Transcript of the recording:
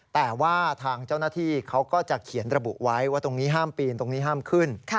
แต่ว่าทางเจ้าหน้าที่เขาก็จะเขียนระบุไว้ว่าตรงนี้ห้ามปีนตรงนี้ห้ามขึ้น